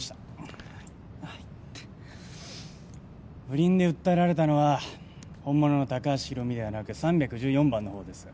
不倫で訴えられたのは本物の高橋博美ではなく３１４番の方です。